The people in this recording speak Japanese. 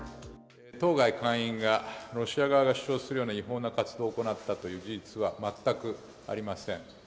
当該館員がロシア側が主張するような違法な活動を行ったという事実は全くありません。